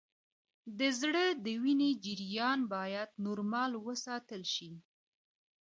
د زړه د وینې جریان باید نورمال وساتل شي